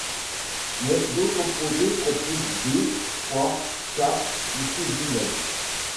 Mais d'autres projets proposent deux, trois, quatre ou six immeubles.